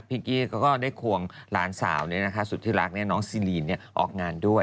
พิ้งกี้ก็ได้ควงลานสาวนี้นะคะสุดที่รักเนี่ยน้องซีรีนเนี่ยออกงานด้วย